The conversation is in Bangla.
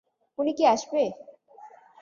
উনি কি আসবে?